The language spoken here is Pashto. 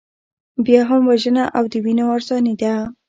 بیا هم وژنه او د وینو ارزاني ده.